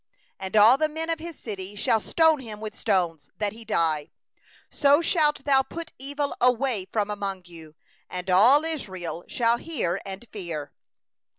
21And all the men of his city shall stone him with stones, that he die; so shalt thou put away the evil from the midst of thee; and all Israel shall hear, and fear.